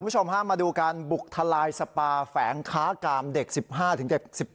คุณผู้ชมฮะมาดูการบุกทลายสปาแฝงค้ากามเด็ก๑๕ถึงเด็ก๑๘